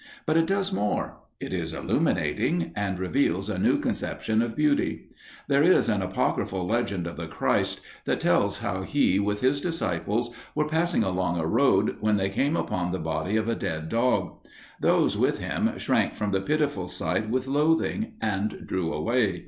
But it does more; it is illuminating, and reveals a new conception of beauty. There is an apocryphal legend of the Christ that tells how He with His disciples were passing along a road, when they came upon the body of a dead dog. Those with Him shrank from the pitiful sight with loathing, and drew away.